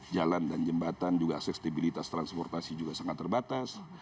jalan dan jembatan juga stabilitas transportasi sangat terbatas